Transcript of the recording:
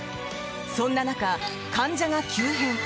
そんな中、患者が急変。